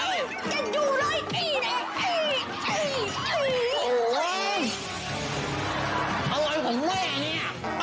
อย่าดูเลยนี่นะ